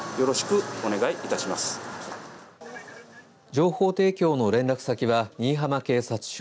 情報提供の連絡先は新居浜警察署。